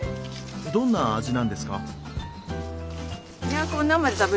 どんな味なんですか？